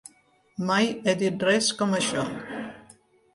Mai he dit res com això.